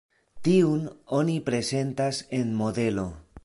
Tiun oni prezentas en modelo.